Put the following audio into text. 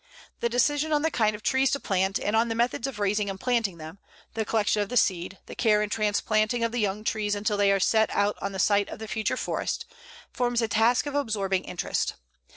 The decision on the kind of trees to plant and on the methods of raising and planting them, the collection of the seed, the care and transplanting of the young trees until they are set out on the site of the future forest, forms a task of absorbing interest.